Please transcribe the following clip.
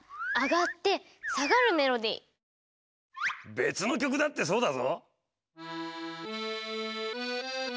別の曲だってそうだぞ。